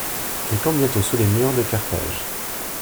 Ils campent bientôt sous les murs de Carthage.